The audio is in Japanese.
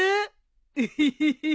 エヘヘヘ。